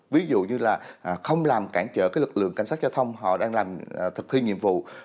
ví dụ như là không làm cản trở cái lực lượng cảnh sát giao thông họ đang làm thực thi nhiệm vụ